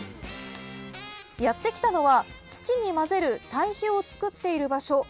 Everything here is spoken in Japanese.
やって来たのは、土に混ぜる堆肥を作っている場所。